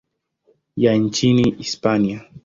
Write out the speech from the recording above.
ya nchini Hispania.